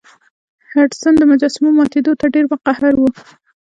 هډسن د مجسمو ماتیدو ته ډیر په قهر و.